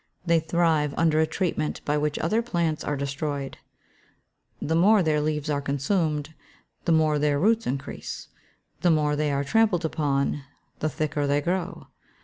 They thrive under a treatment by which other plants are destroyed. The more their leaves are consumed, the more their roots increase. The more they are trampled upon, the thicker they grow.